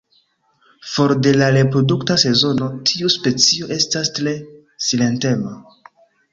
For de la reprodukta sezono tiu specio estas tre silentema.